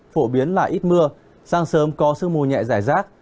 phổ biến là ít mưa sáng sớm có sương mù nhẹ giải rác